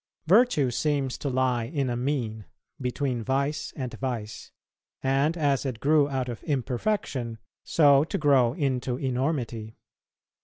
Virtue seems to lie in a mean, between vice and vice; and as it grew out of imperfection, so to grow into enormity.